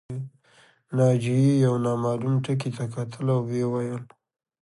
ناجیې یو نامعلوم ټکي ته کتل او ویې ویل